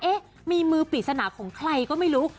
เอ๊ะมีมือปริศนาของใครก็ไม่รู้